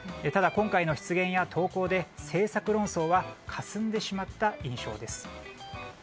ただ今回の失言や投稿で、政策論争はかすんでしまった印象です。